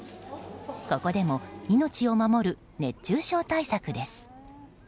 ここでも命を守る熱中症対策です。